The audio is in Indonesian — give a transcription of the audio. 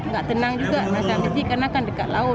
gak tenang juga masamizid karena kan dekat laut